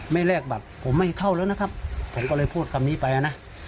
แลกบัตรผมไม่ให้เข้าแล้วนะครับผมก็เลยพูดคำนี้ไปนะ